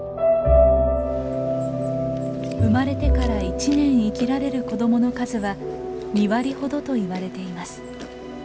生まれてから１年生きられる子どもの数は２割ほどといわれています。